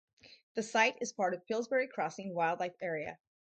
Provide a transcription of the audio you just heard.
The site is part of Pillsbury Crossing Wildlife Area.